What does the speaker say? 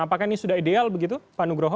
apakah ini sudah ideal begitu pak nugroho